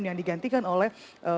yang digantikan oleh